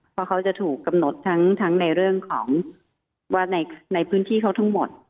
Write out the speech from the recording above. เพราะเขาจะถูกกำหนดทั้งในเรื่องของว่าในพื้นที่เขาทั้งหมด